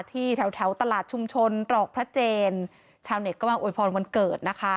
แถวแถวตลาดชุมชนตรอกพระเจนชาวเน็ตก็มาโวยพรวันเกิดนะคะ